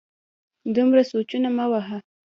دومره سوچونه مه وهه